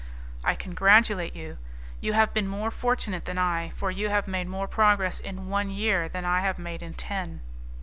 "I congratulate you; you have been more fortunate than I, for you have made more progress in one year than I have made in ten."